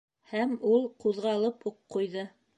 Һәм ул ҡуҙғалып уҡ ҡуйҙы.